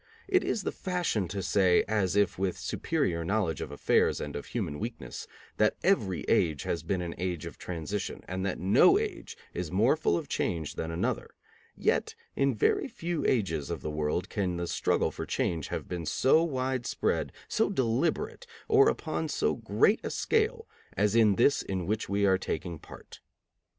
It is the fashion to say, as if with superior knowledge of affairs and of human weakness, that every age has been an age of transition, and that no age is more full of change than another; yet in very few ages of the world can the struggle for change have been so widespread, so deliberate, or upon so great a scale as in this in which we are taking part.